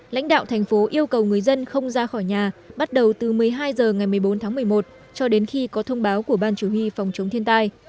lãnh đạo thành phố yêu cầu người dân không ra khỏi nhà bắt đầu từ một mươi hai h ngày một mươi bốn tháng một mươi một cho đến khi có thông báo của ban chủ huy phòng chống thiên tai